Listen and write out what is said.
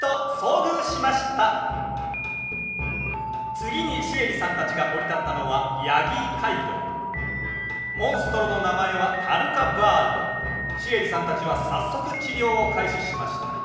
次にシエリさんたちが降り立ったのはモンストロの名前はシエリさんたちは早速治療を開始しました。